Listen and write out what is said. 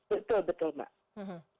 betul betul mbak